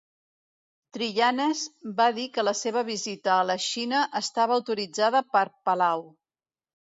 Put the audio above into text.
Trillanes va dir que la seva visita a la Xina estava autoritzada per Palau.